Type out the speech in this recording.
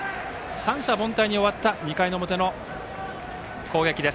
三者凡退に終わった２回の表の攻撃。